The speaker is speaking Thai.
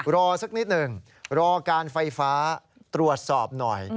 รอสักนิดหนึ่งรอการไฟฟ้าตรวจสอบหน่อย